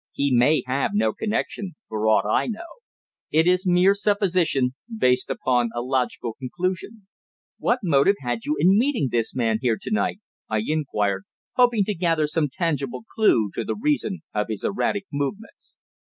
He may have no connection, for aught I know. It is mere supposition, based upon a logical conclusion." "What motive had you in meeting this man here to night?" I inquired, hoping to gather some tangible clue to the reason of his erratic movements.